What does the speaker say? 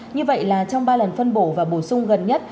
như vậy là trong ba lần phân bổ và bổ sung gần nhất